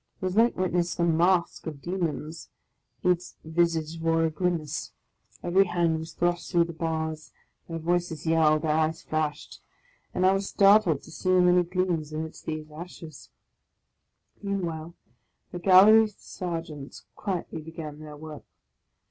It was like witnessing a masque of Demons; each visage bore a grimace, every hand was thrust through the bars, their voices yelled, their eyes flashed, and I was startled to see so many gleams amidst these ashes. Meanwhile the galley ser geants quietly began their work.